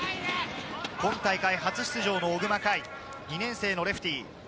今大会初出場の小熊快、２年生のレフティー。